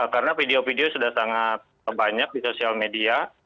karena video video sudah sangat banyak di sosial media